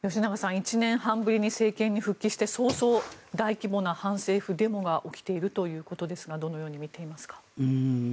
１年半ぶりに政権に復帰して早々大規模な反政府デモが起きているということですがどのように見ていますか。